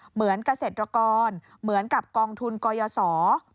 เหมือนเกษตรกรเหมือนกับกองทุนกยศ